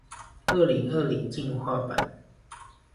二零二零進化版